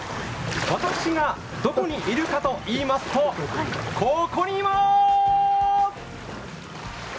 私がどこにいるかといいますと、ここにいまーす！